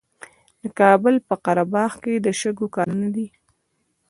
د کابل په قره باغ کې د شګو کانونه دي.